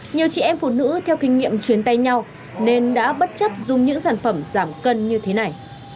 nhiều chị em phụ nữ theo kinh nghiệm chuyến tay nhau nên đã bất chấp dùng những sản phẩm giảm cân như thế này